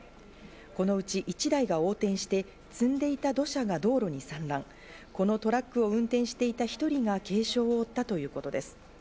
このうち１台が横転して、積んでいた土砂が道路に散乱、このトラックを運転していた１人が軽傷を負ったということです。